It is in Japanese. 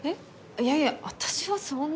いやいや私はそんな。